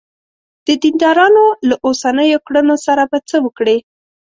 د دیندارانو له اوسنیو کړنو سره به څه وکړې.